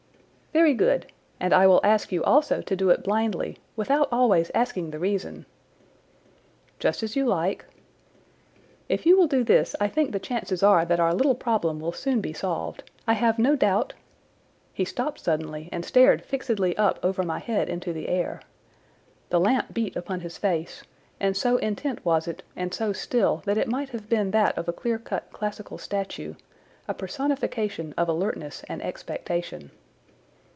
"Very good; and I will ask you also to do it blindly, without always asking the reason." "Just as you like." "If you will do this I think the chances are that our little problem will soon be solved. I have no doubt—" He stopped suddenly and stared fixedly up over my head into the air. The lamp beat upon his face, and so intent was it and so still that it might have been that of a clear cut classical statue, a personification of alertness and expectation.